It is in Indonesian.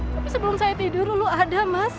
tapi sebelum saya tidur dulu ada mas